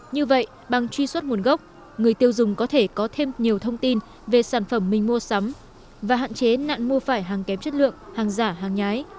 như vậy bằng truy xuất nguồn gốc người tiêu dùng có thể có thêm nhiều thông tin về sản phẩm mình mua sắm và hạn chế nạn mua phải hàng kém chất lượng hàng giả hàng nhái